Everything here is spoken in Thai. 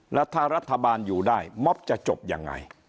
แล้วถ้ารัฐบาลอยู่ได้ม็อบจะจบยังไง